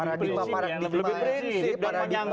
lebih prinsip dan menyangkut